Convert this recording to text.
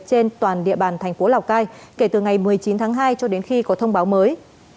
trên toàn địa bàn thành phố lào cai kể từ ngày một mươi chín tháng hai cho đến khi có thông báo mới